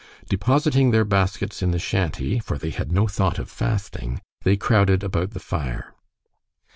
Depositing their baskets in the shanty, for they had no thought of fasting, they crowded about the fire.